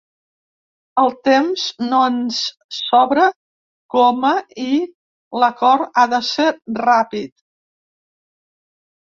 El temps no ens sobra coma i l’acord ha de ser ràpid.